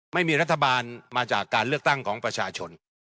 ไม่มีรัฐบาลมาจากการเลือกตั้งของประชาชน